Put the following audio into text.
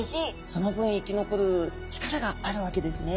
その分生き残る力があるわけですね。